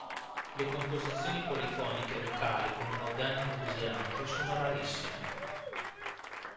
Le composizioni polifoniche vocali con un organico così ampio sono rarissime.